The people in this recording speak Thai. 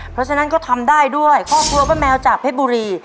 เพราะฉะนั้นก็ทำได้ด้วยครอบครัวป้าแมวจากเพชรบุรี